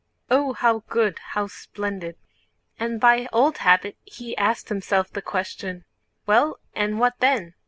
"Oh, how good, how splendid!" And by old habit he asked himself the question: "Well, and what then?